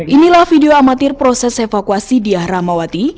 inilah video amatir proses evakuasi di ahra mawati